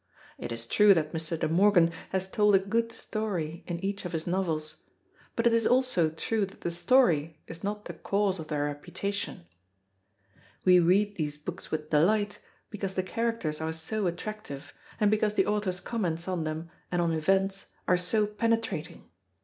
It is true that Mr. De Morgan has told a good story in each of his novels; but it is also true that the story is not the cause of their reputation. We read these books with delight because the characters are so attractive, and because the author's comments on them and on events are so penetrating.